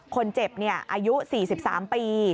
คนเจ็บอายุ๔๓ปี